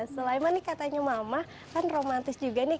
sulaiman nih katanya mama kan romantis juga nih